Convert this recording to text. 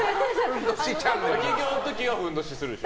滝行の時はふんどしするでしょ？